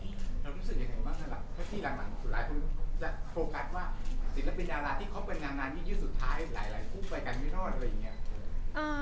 เธอรู้สึกยังไงบ้างที่หลังหลังสุดร้าย